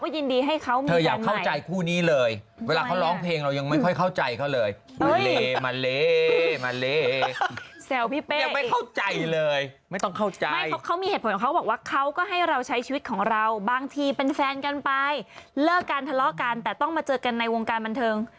ยินดีให้มีแฟนใหม่แสดงเป็นแฟนกันแล้วสิ